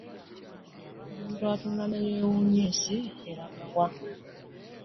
Omuntu atunula ne yeewuunya ensi eraga wa?